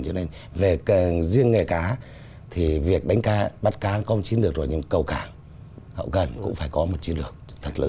cho nên về riêng nghề cá thì việc bắt cá không chiến được rồi nhưng cầu cảng gần cũng phải có một chiến được thật lớn